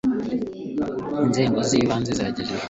inzego z'ibanze zegerejwe ubuyobozi